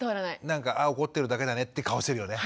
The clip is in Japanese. なんかああ怒ってるだけだねって顔してるよね。